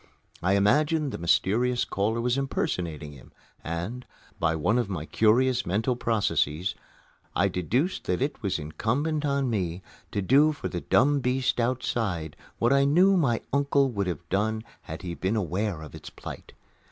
I imagined the mysterious caller was impersonating him and, by one of my curious mental processes, I deduced that it was incumbent on me to do for the dumb beast outside what I knew my uncle would have done had he been aware of its plight.